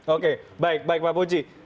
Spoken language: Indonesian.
oke baik pak puji